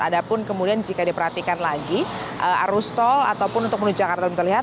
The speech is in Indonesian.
ada pun kemudian jika diperhatikan lagi arus tol ataupun untuk menuju jakarta belum terlihat